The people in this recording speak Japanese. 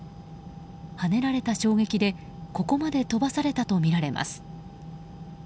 はねられた衝撃でここまで飛ばされたとみられます。